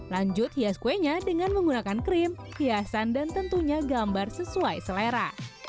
lanjut hias kuenya dengan menggunakan krim hiasan dan tentunya gambar sesuai selera